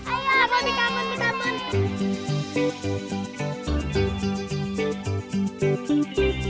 ayo mau dikampun mau dikampun